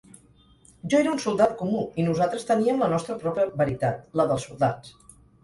Jo era un soldat comú i nosaltres teníem la nostra pròpia veritat, la dels soldats.